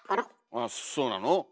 あそうなの？